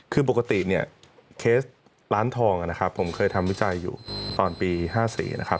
คือปกติเนี่ยเคสร้านทองนะครับผมเคยทำวิจัยอยู่ตอนปี๕๔นะครับ